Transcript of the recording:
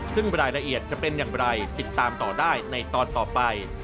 ซึ่งรายละเอียดจะเป็นอย่างไรติดตามต่อได้ในตอนต่อไป